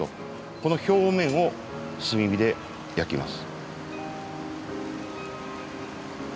この表面を炭火で焼きます。